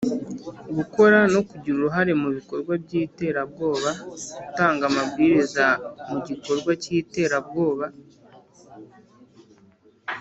gukora no kugira uruhare mu bikorwa by’iterabwoba, gutanga amabwiriza mu gikorwa cy’iterabwoba